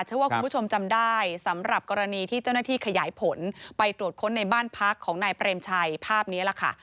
เชื่อว่าคุณผู้ชมจำได้สำหรับกรณีที่เจ้าหน้าที่ขยายผลไปตรวจค้นในบ้านพักของนายเปรมชัยภาพนี้แหละค่ะ